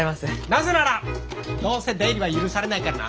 なぜならどうせ出入りは許されないからな。